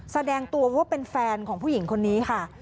แสดงตัวว่าเป็นแฟนของผู้หญิงคนนี้ค่ะ